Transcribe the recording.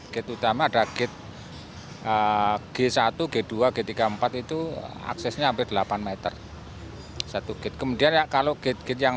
gitu utama ada gate g satu g dua g tiga puluh empat itu aksesnya sampai delapan m satu kit kemudian kalau get yang